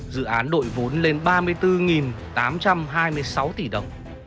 dự án đội vốn lên ba mươi bốn tám trăm hai mươi sáu tỷ đồng